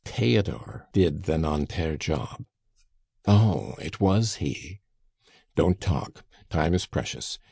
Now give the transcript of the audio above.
"Theodore did the Nanterre job." "Oh! it was he." "Don't talk. Time is precious.